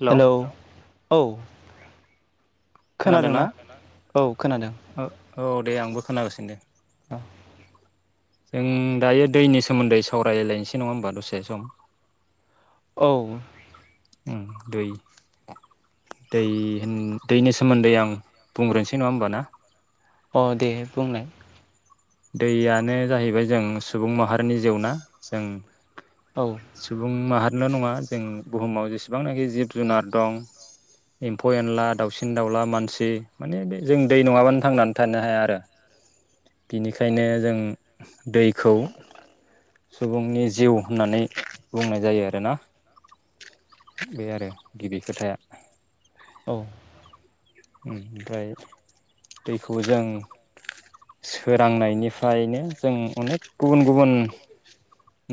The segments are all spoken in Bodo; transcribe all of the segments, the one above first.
हेलौ हेलोव औ खोनादोंना? औ खोनादों। औ दे आंबो खोनागासिनो दे। आ जों दायो दैनि सोमोन्दै सावरायलायनोसै नंङा होमबा दसे सम औ उम दै दैनि सोमोन्दै आं बुंग्रोनोसै नङा होमबा ना? अ दे बुंनाय दैयानो जाहैबाय जों सुबुं माहारिनि जिउ ना? जों औ सुबुं माहा नो नंङा जों बुहुमाव जेसेबांनाखि जिब-जुनार दं, एम्फौ- एनला, दाउसिन-दाउला, मानसि माने बे जों दै नङाबानो थांनानै थानो हाया आरो बिनिखायनो जों दैखौ सुबुंनि जिउ होननानै बुंनाय जायो आरो ना बे आरो गिबि खोथाया। औ ओमफ्राय दैखौ जों सोरांनायनिफ्रायनो जों अनेख गुबुन गुबुन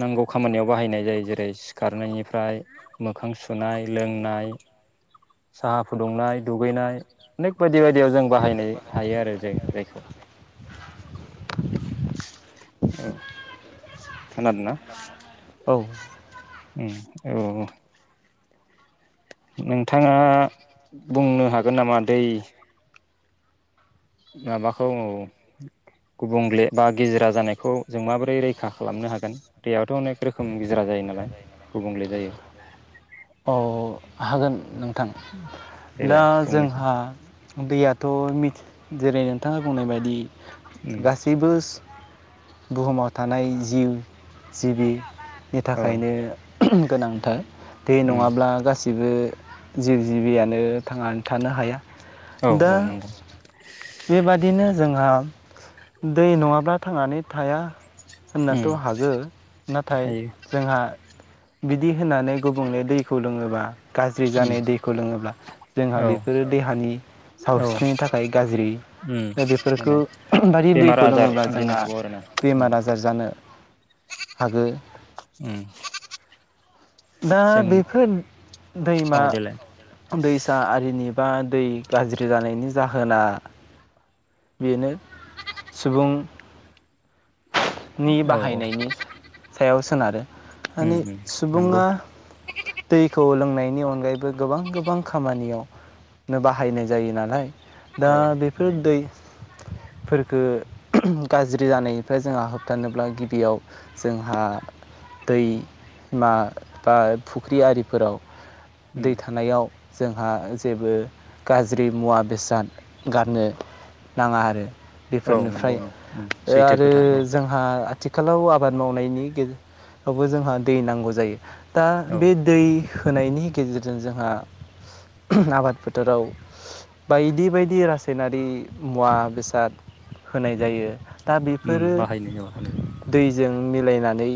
नांगौ खामानियाव बाहायनाय जायो जेरै सिखारनायनिफ्राय मोखां सुनाय, लोंनाय, साहा फुदुंनाय, दुगैनाय, अनेक बायदि बायदियाव जों बाहायनाय हायो आरो जों दैखौ औ। खोनादोंना? औ। उम औ नोंथाङा बुंनो हागोन नामा? दै माबा औ गुबुंग्ले बा गिज्रा जानायखौ जों माबोरै रैखा खालामनो हागोन दैआथ' अनेक रोखोम गिज्रा जायो नालाय गुबुंल्ले जायो। औ हागोन नोंथां दा देलाय फंनैसो जोंहा दैयाथ' मिथ जेरै नोंथाङा बुंनाय बायदि उम गासैबो स बुहुमाव थानाय जिव जिबि नि औ थाखायनो गोनांथार। दै उम नङाब्ला गासिबो जिउ जिबियानो थांनानै थानो हाया औ दा औ नंगौ। बेबादिनो जोंहा दै नङाब्ला थांनानै थाया। होननोथ' उम हागो नाथाय हायो जोंहा बिदि होनानै गुबुंले दैखौ लोङोबा गाज्रि उम जानाय दैखौ लोङोब्ला जोंहा औ बेफोरो देहानि औ सावस्रिनि थाखाय गाज्रि। उम दा बेफोरखौ माने बायदि बेमार दैखौ आजार लोङोब्ला सोमजिनो जोंहा हागौ आरो ना उम बेमार आजार जानो हागो। उम। दा जों बेफोर दैमा औ देलाय दैसा आरिनि बा दै गाज्रि जानायनि जाहोना बेनो सुबुं नि औ औ बाहायनायनि सायाव सोनारो। उम मानि उम नंगौ सुबुङा दैखौ लों नायनि अनगायैबो गोबां गोबां खामानियावनो बाहायनाय जायो नालाय दा औ बेफोर बाहायो दै फोरखो गाज्रि जानाय निफ्राय जोंहा होबथानोब्ला गिबियाव जोंहा दैमा बा फुख्रि आरिफोराव दै उम थानायाव जोंहा जेबो गाज्रि मुवा बेसाद गारनो नाङा आरो औ नंगौ सैथोखो ओ जोंहा आथिखालाव आबाद मावनायनि गेजेरावबो जोंहा दै नांगौ जायो दा औ बे दै होनायनि गेजेरजों जोंहा आबाद फोथाराव बायदि बायदि रासायनारि मुवा बेसाद होनाय जायो दा बाहायनाय होनाय जायो जों मिलायनानै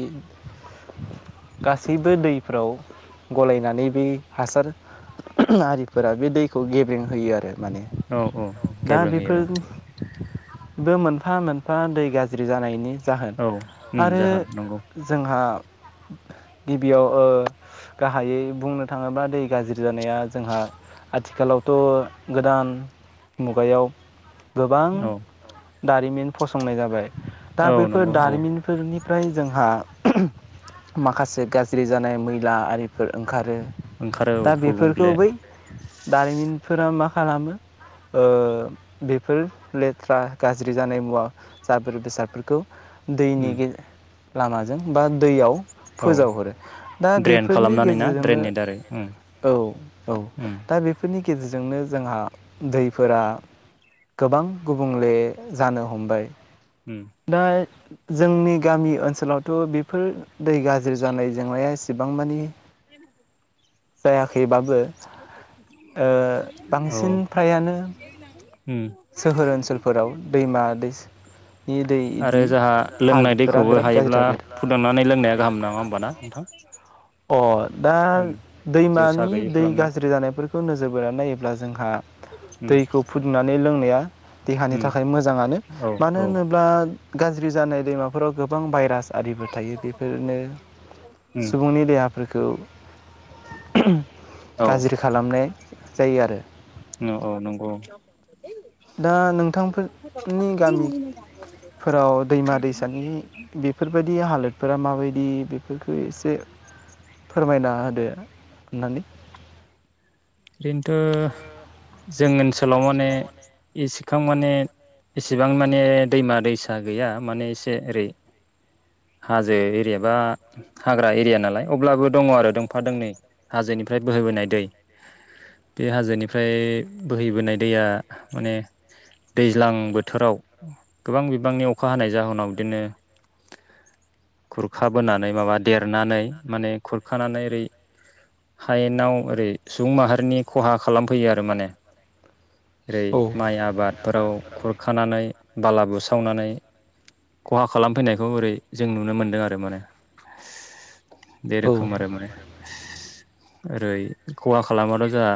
गासैबो दैफ्राव गलायनानै बे हासार आरिफोरा बे दैखौ गेब्रेंहयो आरो माने औ औ दा गेब्रेंहोयो बेफोर ब मोनफा मोनफा उन्दै गाज्रि जानायनि जाहोन औ औ उम आरो जाहोन नंगौ जोंहा गिबियाव ओ गाहायै बुंनो थाङोब्ला दै गाज्रि जानाया जोंहा आथिखालावथ गोदान मुगायाव गोबां औ दारिमिन फसंनाय जाबाय। दा औ बैफोर नंगौ औ दारिमिनफोरनि ओमफ्राय जोंहा माखासे गाज्रि जानाय मैला आरिफोर ओं ओंखारो ओंखारो औ दा बेफोरखौ गुबुंले बै दारिमिनफोरा मा खालामो ओ बेफोर लेथ्रा गाज्रि जानाय मुवा जाबोर बेसादफोरखौ दैनि उम गे लामाजों बा दैयाव औ फोजावहरो दा ड्रेन बेफोरनि खालामनानै ना गेजेरजोंनो ड्रेननि दारै उम औ औ उम दा बेफोरनि गेजेरजोंनो जोंहा दैफोरा गोबां गुबुंले जानो हमबाय उम दा जोंनि गामि ओनसोलावथ बेफोर दै गाज्रि जानाय जेंनाया एसेबां मानि जायाखैबाबो औ बांसिन ओ फ्रायानो उम सोहोर ओनसोलफोराव दैमा दैसा आरो जाहा लोंनाय दैखौबो बिराद गाज्रि हायोब्ला जाबाय आरो फुदुंनानै लोंनाया गाहाम नङा होमबाना नोंथां अ दा उम जिउसा दैमानि गैयै दै खालामनो गाज्रि जानायफोरखौ नोजोर बोनानै नायोब्ला जोंहा उम दैखौ फुदुंनानै लो लोंनाया देहानि उम थाखाय मोजाङानो औ मानो औ होनोब्ला गाज्रि जानाय दैमाफोराव गोबां भाइरास आरिबो थायो बेफोरनो उम सुबुंनि फोरखौ औ गाज्रि खालामनाय जायो आरो औ औ नंगौ दा नोंथांफोरनि गामिफोराव दैमा दैसानि बेफोरबायदि हालोदफोरा माबायदि बि बेफोरखौ एसे फोरमायना होदो होननानै ओरैनोथ' जों ओनस सोलाव माने एस बिखां माने इसेबां माने दैमा दैसा गैया माने एसे ओरै हाजो एरिया बा हाग्रा एरिया नालाय अब्लाबो दङ आरो दंफा दोंनै हाजोनिफ्राय बोहोबोनाय दै बे हाजोनिफ्राय बोहैबोनाय दैया माने दैज्लां बोथोराव गोबां बिबांनि अखा हानाय जाहोनाव बिदिनो खुरखाबोनानै माबा देरनानै माने खुरखानानै ओरै हायेनाव ओरै सुबुं माहारिनि खहा खालामफैयो आरो माने ओरै औ माइ आबादफोराव खुरखानानै बाला बुसो सावनानै खहा खालामफैनायखौ ओरै जों नुनो मोन्दों आरो माने बे औ रोखोम आरो माने ओरै खहा खालामाथ जोंहा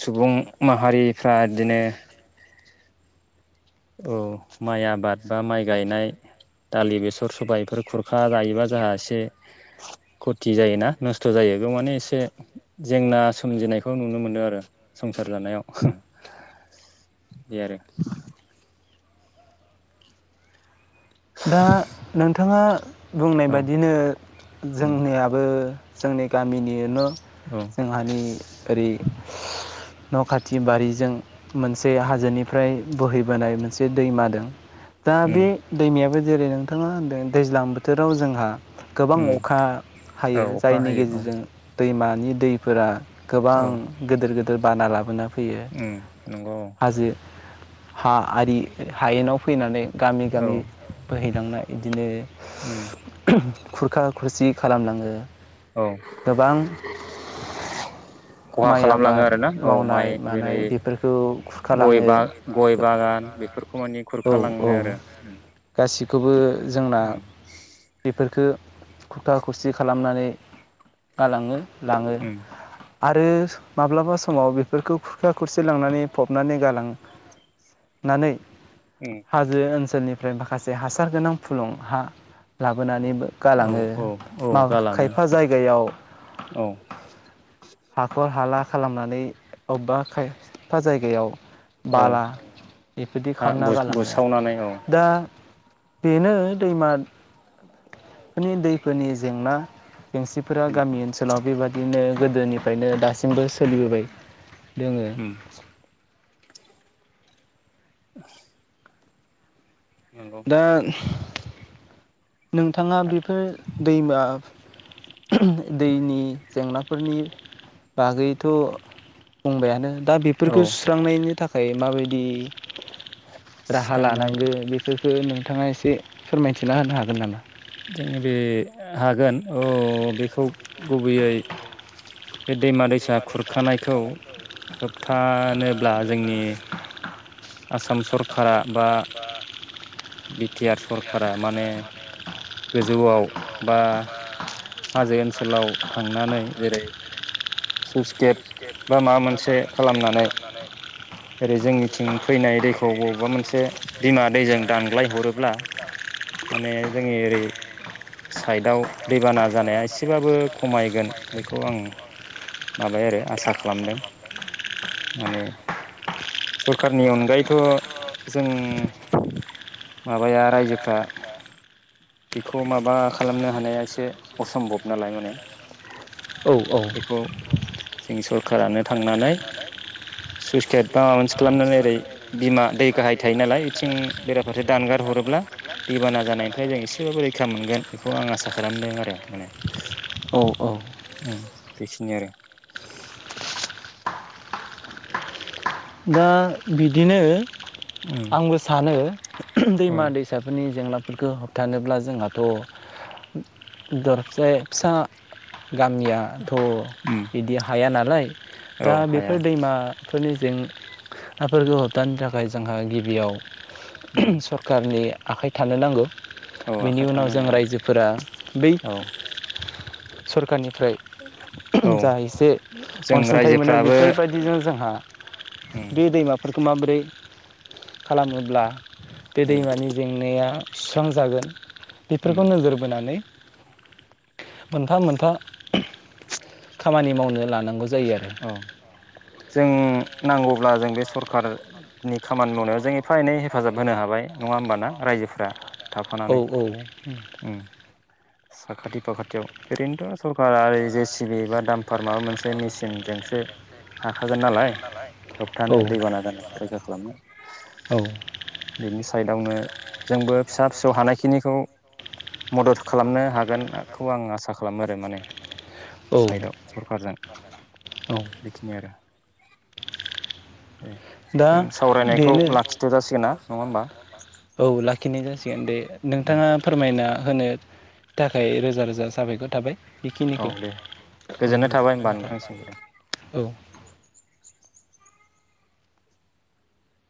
सुबुं माहारिफ्रा बिदिनो औ माइ आबाद बा माइ गायनाय दालि बेसर सबायफोर खुरखा जायोबा जोंहा एसे खथि जायोना नस्थ जायो बेयाव माने एसे जेंना सोमजिनायखौ नुनो मोनो आरो संसार जानायाव बे आरो दा नोंथाङा बुंनाय औ बायदिनो जोंनियाबो जोंनि गामिनिनो जोंहानि ओरै न खाथि बारिजों मोनसे हाजोनिफ्राय बोहैबोनाय मोनसे दैमा दों दा उम बे गामियाबो जेरै नोंथाङा दैज्लां बोथोराव जोंहा गोबां उम अखा औ हायो अखा जायनि हायो औ गेजेरजों दैमानि दैफोरा गोबां औ गोदोर गोेद दोर बाना लाबोना फैयो उम नंगौ हाजो हा आरि हायेनाव फैनानै गामि औ गामि बोहैलांना इदिनो उम खुरखा खुरसि खालामलाङो औ गोबां खहा माइ खालामलाङो आबाद आरोना औ मावनाय माइ मानाय जेरै बेफोरखौ गय खुरखालाङो बा गय बागान बेफोरखौ मानि औ खुरखालाङो औ आरो गासिखौबो जोंना बेफोर खो खुथा खुसि खालामनानै गालाङो लाङो उम आरो माब्लाबा समाव बेफोरखौ खुरखा खुरसि लांनानै फबनानै गालांनानै उम हाजो ओनसोलनि ओमफ्राय माखासे हासार गोनां फुलुं हा लाबोनानै औ गालाङो औ औ मा गालाङो खायफा जायगायाव औ हाखर हाला खालामनानै बबेबा खायफा जायगायाव औ बाला बेफोरदि हा खालामना बुसावनानै औ गालाङो बेनो दैमादनि दैफोरनि जेंना । बेेंसिफोरा उम गामि ओनसोलाव । बेबादिनो गोदोनिफ्रायनो दासिमबो सोलिबोबाय । ओम--। [inaudible] नंगौ दा--। नोंथाङा बेफोर दैमा फ--। दैनि जेंनाफोरनि बागैथ बुंबायानो । दा औ बेफोरखौ सुस्रांनायनि थाख । खाम माबायदि । राहा सिस्रांनाय लानांगो बेफोरख--। खो नोंथाङा एसे फोरमायथिना होनो हागो--। गोन नामा । जोंनि बे हागोन औ बेखौ गुबैयै बे--। दैमा दैसा खुरखानायखौ । होबथानोब्ला जोंनि । आसाम सरखारा बा बिटि आर सरखारा माने गोजौआव बा । हाजो ओनसोलाव थांनानै जेरै सुइस गेट बा माबा मोनसे खालामनानै ओरै जोंनिथिं फैनाय दैखौ बबा मोनसे बिमा दैजों दानग्लाय हरोब्ला माने जोंनि ओरै साइडआव दैबाना ज--। जानाया एसेबाबो खमायगोन बेखौ आं माबाय आरो आसा खालामदों माने सरखारनि अनगायैथ जों माबाया रायजोफ्रा बेखौ माबा खालामनो हानाया इसे । असम्भब नालाय माने औ औ । बेखौ । जोंनि सरखारानो थांनानै सुइसगेद बा माबा मोनसे खालामनानै ओरै बिमा दै गाहाय थायो नालाय इथिं बेराफारसे दानगार हरोब्ला दैबाना जानायनिफाय जों एसेबाबो रैखा मोनगोन बेखौ आं आसा खालामदों आरो । माने औ औ ओं बेखिनि आरो । दा बिदिनो उम । आंबो सानो । औ दैमा दैसाफोरनि जेंना--। बेफोरखो होबथानोब्ला जोंहाथ दर जे फिसा । गामियाथ उम बिदि हायानाल राय औ दा हाया बेफोर दैमा फोरनि जें हाफोरखौ होबथानो थाखाय जोंहा गिबियाव उम सरखारनि आखाइ थानो नांगौ औ । बेनि आखाइ थानो उनाव जों नांगौ रायजोफोरा बै औ सरखारनि ओफ्राय औ जा एसे जों अनसुंथाइ मोनो रायजोफ्राबो बेफोरबायदिजों जोंहा उम बे दैमा बेरफोरखौ माबोरै खालामोब्ला बे उम दैमानि जेंनाया सुस्रांजागोन बेफोरखौ उम नोजोर बोनानै मोनफा मोनफा खामानि मावनो लानांगौ। जायो आरो औ जों नांगौब्ला जों बे सरखारनि खामानि मावनायाव जों एफा एनै हेफाजाब होनो हाबाय नङा होमबा ना रायजोफ्रा औ थाफानानै औ उम साखाथि फाखाथियाव ओरैनोथ सरखारा जे सि बि बा दामफार माबा मोनसे मेसिन [unintelligible] जोंसो हाखागोन नालाय होबथानो दैबाना जानाय [unintelligible] खालामगोन। औ बेनि साइडआवनो जोंबो फिसा फिसौ हानायखिनिखौ मदद खालामनो हागोनखौ आं आसा खालामो आरो माने साइदआव सरकारजों बेखिनि आरो जों सावरायनायखौ जानानै लाखिथजासिगोन ना? नङा होमबा औ लाखिनाय जासिगोन। [inaudible] नोंथाङा फोरमायना होनो थाखाय रोजा रोजा साबायखर थाबाय। औ बेखिनिखौ दे गोजोननाय थाबाय होमबा नोंथांनिसिमबो आंनिफ्राय औ